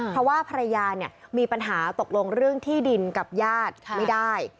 เพราะว่าภรรยามีปัญหาตกลงเรื่องที่ดินกับญาติไม่ได้